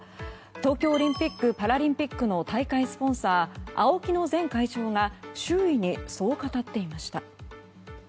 東京オリンピック・パラリンピックの大会スポンサーＡＯＫＩの前会長が周囲にそう語っていました。